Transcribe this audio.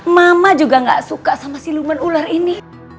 mama juga gak suka sama siluman ular ini